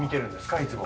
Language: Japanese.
いつも。